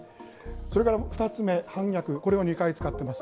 それから２つ目、反逆、これを２回使っています。